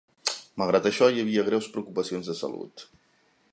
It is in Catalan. Malgrat això, hi havia greus preocupacions de salut.